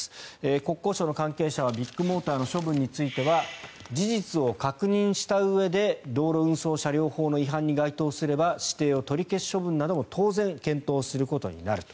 国交省の関係者はビッグモーターの処分については事実を確認したうえで道路運送車両法の違反に該当すれば指定を取り消す処分なども当然検討することになる。